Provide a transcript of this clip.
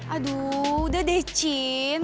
aduh udah deh cin